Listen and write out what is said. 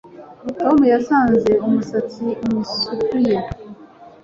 Tom yasanze umusatsi mu isupu ye